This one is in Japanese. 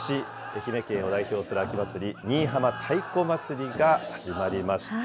愛媛県を代表する新居浜太鼓祭りが始まりました。